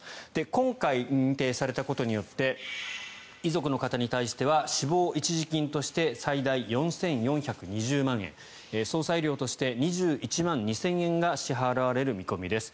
今回、認定されたことによって遺族の方に対しては死亡一時金として最大４４２０万円葬祭料として２１万２０００円が支払われる見込みです。